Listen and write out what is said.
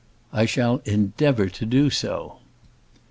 "I shall endeavour to do so."